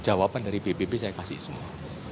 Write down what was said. jawaban dari pbb saya kasih semua